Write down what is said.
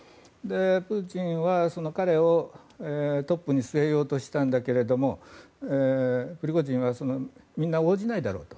プーチンは彼をトップに据えようとしたんだけどもプリゴジンはみんな応じないだろうと。